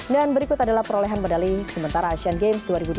dan berikut adalah perolehan medali sementara asian games dua ribu delapan belas